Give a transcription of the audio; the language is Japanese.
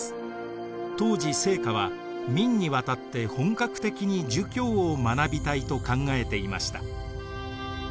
当時惺窩は明に渡って本格的に儒教を学びたいと考えていました。